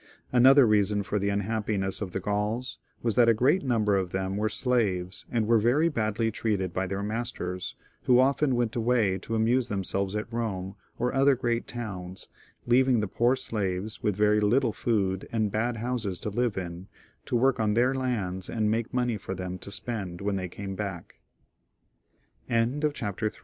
Another reason for the unhappiness of the Gauls was that a great number of them were slaves, and were very badly treated by their masters, who often went away to amuse themselves at Rome or other great towns, leaving the poor slaves, with very little food and bad houses to live in, to work on their lands and